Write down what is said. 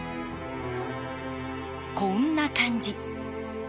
こんな感じ。